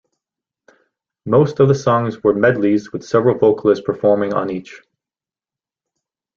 Most of the songs were medleys with several vocalists performing on each.